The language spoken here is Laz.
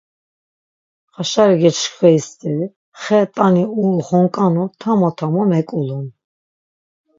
Xaşai geşkveri steri xe t̆ani uoxonǩanu tamo tamo meǩulun.